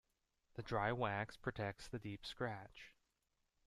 The dry wax protects the deep scratch.